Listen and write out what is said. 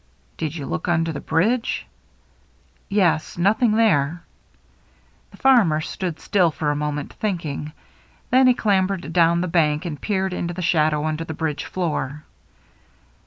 " Did you look under the bridge ?"Yes. Nothing there." The farmer stood still for a moment, think ing ; then he clambered down the bank and peered into the shadow under the bridge floor.